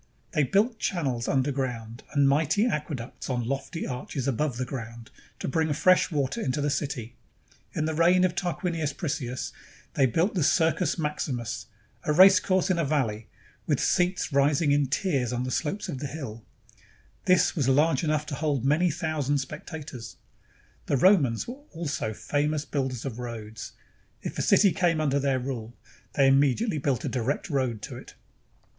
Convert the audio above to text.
They built channels under ground and mighty aqueducts on lofty arches above ground to bring fresh water into the city. In the reign of Tarquinius Priscus, they built the 330 J THE ROMANS OF THE EARLY REPUBLIC Circus Maximus, — a race course in a valley, with seats rising in tiers on the slopes of the hills. This was large enough to hold many thousand spectators. The Romans were also famous builders of roads. If a city came under their rule, they immediately built a direct road to it.